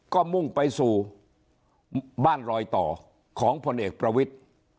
ก็มุ่งไปสู่บ้านรอยต่อของพลเอกประวิทธิ์